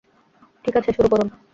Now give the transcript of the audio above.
ঠিক আছে, শুরু করুন!